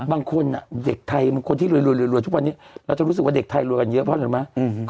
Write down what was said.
มันก็เป็นอสังหาริมทรัพย์ที่อย่างใหญ่มาก